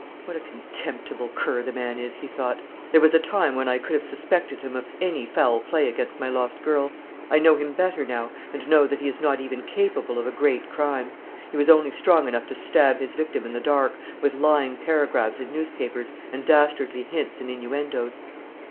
"What a contemptible cur the man is!" he thought. "There was a time when I could have suspected him of any foul play against my lost girl. I know him better now, and know that he is not even capable of a great crime. He was only strong enough to stab his victim in the dark, with lying paragraphs in newspapers, and dastardly hints and inuendoes."